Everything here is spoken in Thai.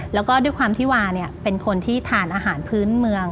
แล้วก็ด้วยความที่วาเนี่ยเป็นคนที่ทานอาหารพื้นเมือง